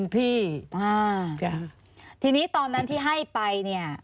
ทีนี้ตอนนั้นที่ให้ไป